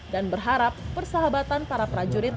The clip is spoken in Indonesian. dan berharap persahabatan para prajurit